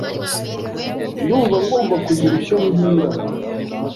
Ndumva ngomba kugira icyo mbwira